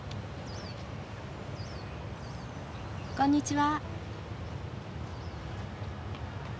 こんにちは。